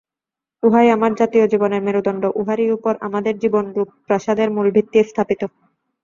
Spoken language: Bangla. উহাই আমাদের জাতীয় জীবনের মেরুদণ্ড, উহারই উপর আমাদের জীবনরূপ প্রাসাদের মূলভিত্তি স্থাপিত।